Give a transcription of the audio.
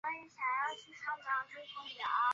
狭叶鸡矢藤为茜草科鸡矢藤属下的一个种。